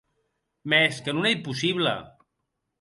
Mès que non ei possible.